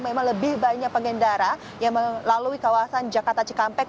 memang lebih banyak pengendara yang melalui kawasan jakarta cikampek